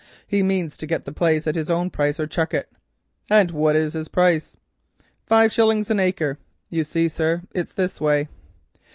He means to git the place at his own price or chuck it." "And what is his price?" "Five shillings an acre. You see, sir, it's this way.